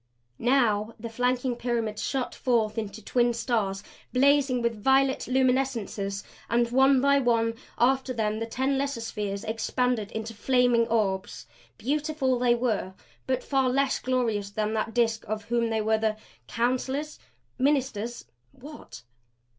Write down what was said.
Now the flanking pyramids shot forth into twin stars, blazing with violet luminescences. And one by one after them the ten lesser spheres expanded into flaming orbs; beautiful they were, but far less glorious than that Disk of whom they were the counselors? ministers? what?